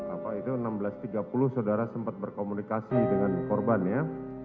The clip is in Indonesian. apa itu enam belas tiga puluh saudara sempat berkomunikasi dengan korban ya